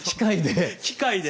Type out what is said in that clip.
機械で。